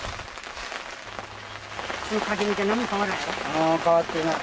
ああ変わってない。